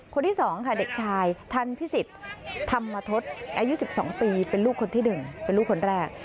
คนที่๒ค่ะเด็กชายทันพิสิทธิ์ธรรมทศอายุ๑๒ปีเป็นลูกคนที่๑เป็นลูกคนแรก